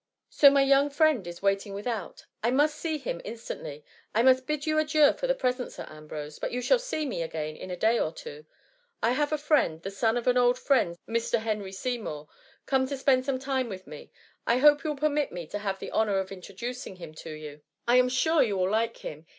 So my young friend is waiting without? I must see him instantly. I must bid you adieu for the present, Sir Ambrose, but you shall see me again in a day or two. I have a friend, the son of an old friend, Mr. Henry Seymour, come to spend some time with me, I hope you will per mit me to have the honour of introducing him to you ; I am sure you will like him.